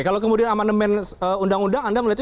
kalau kemudian amandemen undang undang anda melihatnya